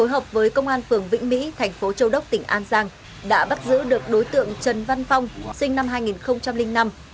hợp với công an phường vĩnh mỹ thành phố châu đốc tỉnh an giang đã bắt giữ được đối tượng trần văn phong sinh năm hai nghìn năm